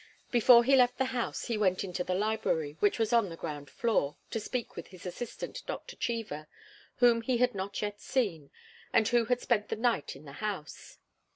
Before he left the house he went into the library, which was on the ground floor, to speak with his assistant, Doctor Cheever, whom he had not yet seen, and who had spent the night in the house.